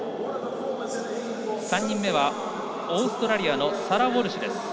３人目はオーストラリアのサラ・ウォルシュ。